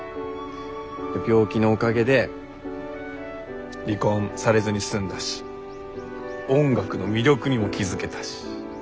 病気のおかげで離婚されずに済んだし音楽の魅力にも気付けたし。